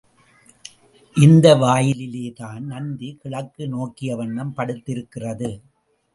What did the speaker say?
இந்த வாயிலிலேதான் நந்தி கிழக்கு நோக்கிய வண்ணம் படுத்திருக்கிறது.